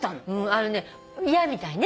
あのね嫌みたいね